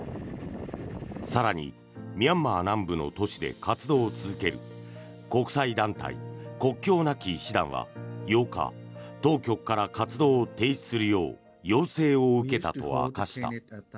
更に、ミャンマー南部の都市で活動を続ける国際団体、国境なき医師団は８日当局から活動を停止するよう要請を受けたと明かした。